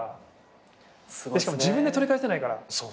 しかも自分で取り返せないから。